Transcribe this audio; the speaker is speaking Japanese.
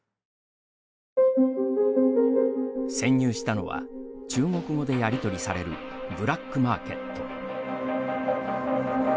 潜入したのは中国語でやりとりされるブラックマーケット。